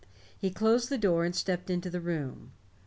He closed the door and stepped into the room.